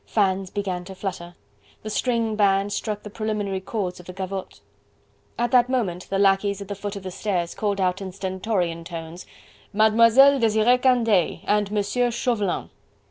Fans began to flutter. The string band struck the preliminary cords of the gavotte. At that moment the lacqueys at the foot of the stairs called out in stentorian tones: "Mademoiselle Desiree Candeille! and Monsieur Chauvelin!"